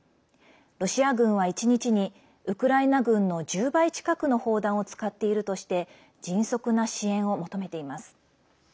ロシア軍は１日にウクライナ軍の１０倍近くの砲弾を使っているとして迅速な支援を求めています。